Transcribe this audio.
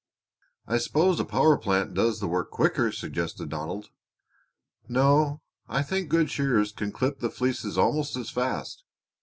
"I suppose a power plant does the work quicker," suggested Donald. "No, I think good shearers can clip the fleeces almost as fast.